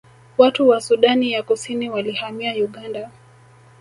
Watu wa Sudani ya Kusini walihamia Uganda